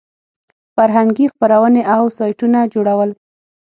فرهنګي خپرونې او سایټونه جوړول.